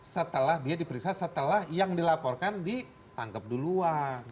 setelah dia diperiksa setelah yang dilaporkan ditangkap duluan